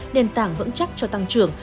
nền tảng vững chắc cho tăng trưởng